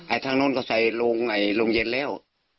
ทางโน้นก็ใส่ลงเย็นแล้ว